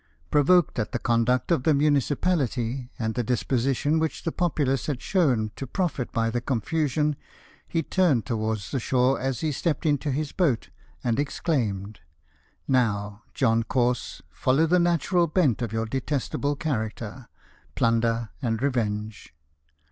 Provoked at the conduct of the munici paHty, and the disposition which the populace had shown to profit by the confusion, he turned towards the shore, as he stepped into his boat, and exclaimed :" Now, John Corse, follow the natural bent of your detestable character — plunder and revenge."